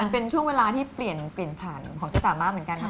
มันเป็นช่วงเวลาที่เปลี่ยนผ่านของชิคกี้พายมากเหมือนกัน